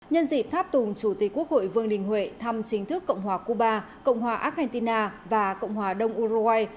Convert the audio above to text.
nhân dịp tháp tùng chủ tịch quốc hội vương đình huệ thăm chính thức cộng hòa cuba cộng hòa argentina và cộng hòa đông uruguay